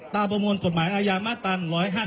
ประมวลกฎหมายอาญามาตรา๑๕๗